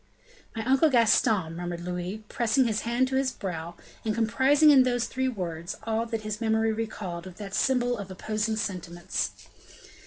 "My uncle Gaston," murmured Louis, pressing his hand to his brow, and comprising in those three words all that his memory recalled of that symbol of opposing sentiments.